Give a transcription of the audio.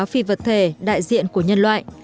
phi vật thể đại diện của nhân loại